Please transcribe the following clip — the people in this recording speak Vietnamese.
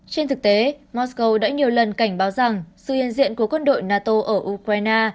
trên thực tế mosco đã nhiều lần cảnh báo rằng sự hiện diện của quân đội nato ở ukraine